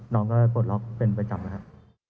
น้องก็ปลดล็อกเป็นประจำนะครับ